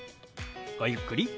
ごゆっくり。